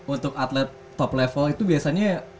untuk atlet top level itu biasanya